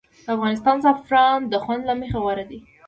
د افغانستان زعفران د خوند له مخې غوره دي